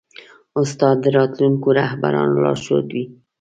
استاد د راتلونکو رهبرانو لارښود وي.